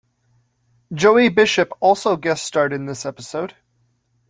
Joey Bishop also guest starred in this episode.